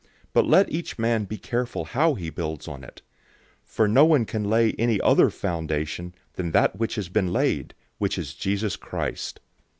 But let each man be careful how he builds on it. 003:011 For no one can lay any other foundation than that which has been laid, which is Jesus Christ.